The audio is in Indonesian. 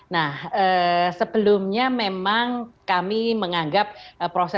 nah sebelumnya memang kami menganggap proses